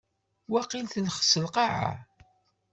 Waqil telxes lqaɛa.